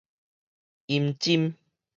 陰鴆